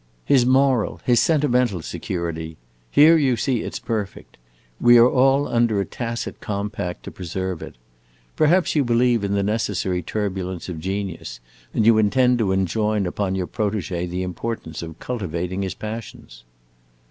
"His moral, his sentimental security. Here, you see, it 's perfect. We are all under a tacit compact to preserve it. Perhaps you believe in the necessary turbulence of genius, and you intend to enjoin upon your protege the importance of cultivating his passions."